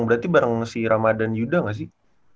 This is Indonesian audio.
berarti bareng si ramadhan yuda gak sih